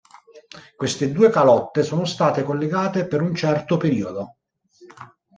Queste due calotte sono state collegate per un certo periodo.